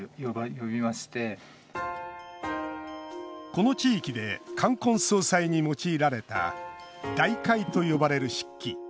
この地域で冠婚葬祭に用いられたダイカイと呼ばれる漆器。